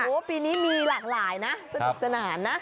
โอ้โหปีนี้มีหลากหลายนะสนุกสนานนะ